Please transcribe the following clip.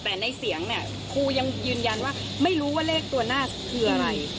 แต่ในเสียงเนี่ยครูยังยืนยันว่าไม่รู้ว่าเลขตัวหน้าคืออะไร